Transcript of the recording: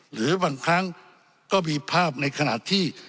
หรือบางครั้งก็มีภาพในขณะที่